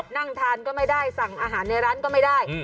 นั่งทานก็ไม่ได้สั่งอาหารในร้านก็ไม่ได้